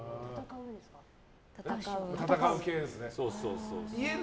戦う系ですね。